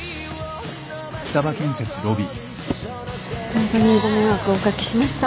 ホントにご迷惑をお掛けしました。